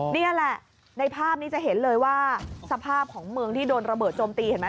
นี่แหละในภาพนี้จะเห็นเลยว่าสภาพของเมืองที่โดนระเบิดโจมตีเห็นไหม